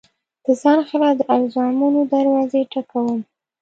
د ځان خلاف د الزامونو دروازې ټک وم